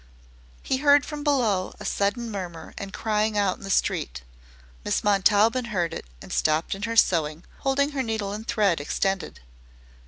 He heard from below a sudden murmur and crying out in the street. Miss Montaubyn heard it and stopped in her sewing, holding her needle and thread extended.